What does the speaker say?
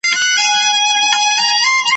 زه به اوږده موده د ښوونځي کتابونه مطالعه کړم..